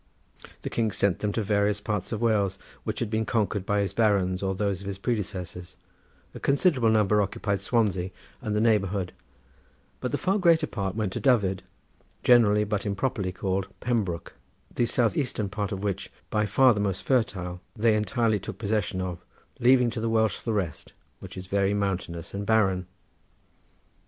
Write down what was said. The king sent them to various parts of Wales which had been conquered by his barons or those of his predecessors: a considerable number occupied Swansea and the neighbourhood; but far the greater part went to Dyfed, generally but improperly called Pembroke, the south eastern part of which, by far the most fertile, they entirely took possession of, leaving to the Welsh the rest, which is very mountainous and barren.